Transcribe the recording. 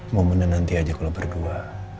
momennya nanti aja kalau berdua